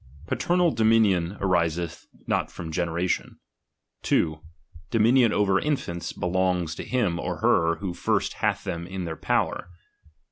Paternal dominion ariseth not from generation. 2. Dominion over infants belongs to him or her who first hath them in their power.